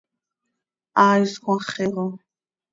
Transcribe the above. ¡Hai iscmaxi xo!